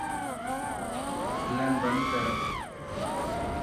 کلن بند ڪر